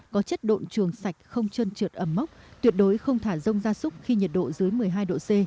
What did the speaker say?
có chất độn trường sạch không chân trượt ẩm mốc tuyệt đối không thả rông gia súc khi nhiệt độ dưới một mươi hai độ c